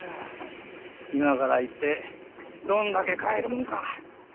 今から行ってどんだけ買えるもんか。